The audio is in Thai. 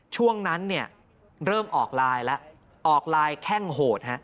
ช่วงนั้นเริ่มออกลายแล้วออกลายแข้งโหด